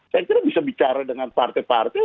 saya kira bisa bicara dengan partai partai